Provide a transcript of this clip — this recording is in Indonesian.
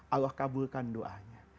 allah kabulkan doanya